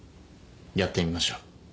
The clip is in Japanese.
やってみましょう